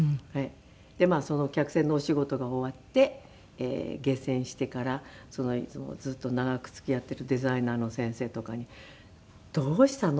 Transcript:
でその客船のお仕事が終わって下船してからいつもずっと長く付き合っているデザイナーの先生とかに「どうしたの？